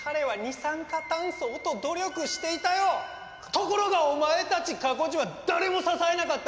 ところがお前たち過去人は誰も支えなかった。